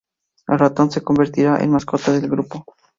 El ratón se convertirá en mascota del grupo.